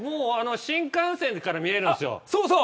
新幹線から見えるんですよ。